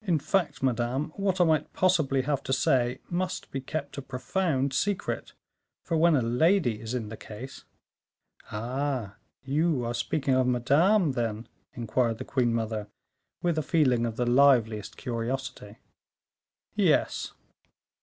"In fact, madame, what I might possibly have to say must be kept a profound secret; for when a lady is in the case " "Ah! you are speaking of Madame, then?" inquired the queen mother, with a feeling of the liveliest curiosity. "Yes."